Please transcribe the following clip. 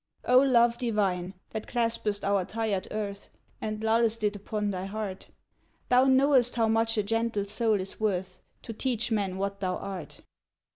O Love Divine, that claspest our tired earth, And lullest it upon thy heart, Thou knowest how much a gentle soul is worth To teach men what thou art!